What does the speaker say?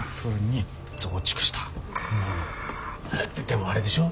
でもあれでしょ？